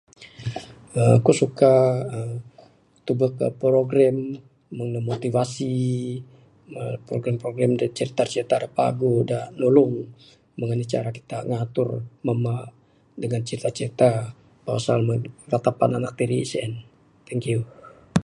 aaa ku suka aaa tubek program meng da motivasi program program da crita crita da paguh da nulung meng anih cara kita ngatur mamba dangan cita cita pasal tatapan anak tiri sien thank you.